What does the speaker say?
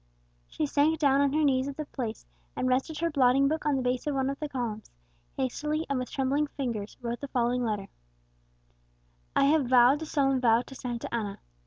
She sank down on her knees at the place, and resting her blotting book on the base of one of the columns, hastily, and with trembling fingers, wrote the following letter: "I have vowed a solemn vow to Santa Anna.